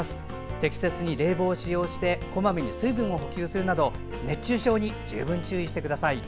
適切に冷房を使用してこまめに水分を補給するなど熱中症に十分注意してください。